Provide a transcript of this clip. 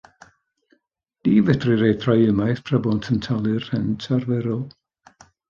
Ni fedrir eu troi ymaith tra bônt yn talu'r rhent arferol.